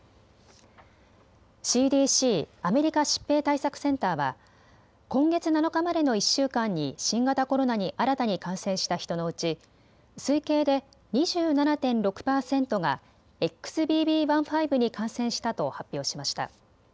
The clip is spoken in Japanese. ＣＤＣ・アメリカ疾病対策センターは今月７日までの１週間に新型コロナに新たに感染した人のうち推計で２７．６％がＸＢＢ．１．５に感染したと発表しました。